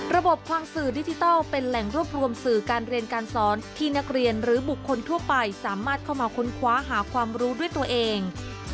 ควางสื่อดิจิทัลเป็นแหล่งรวบรวมสื่อการเรียนการสอนที่นักเรียนหรือบุคคลทั่วไปสามารถเข้ามาค้นคว้าหาความรู้ด้วยตัวเอง